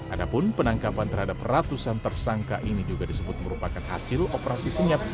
adapun penangkapan terhadap ratusan tersangka ini juga disebut merupakan hasil operasi senyap